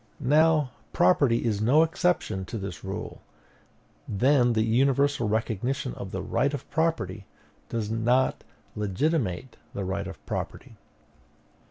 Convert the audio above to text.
Now, property is no exception to this rule: then the universal recognition of the right of property does not legitimate the right of property.